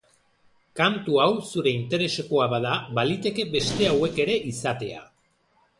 Kantu hau zure interesekoa bada, baliteke beste hauek ere izatea.